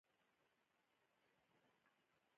خو د خاین سړي څخه بد وړي.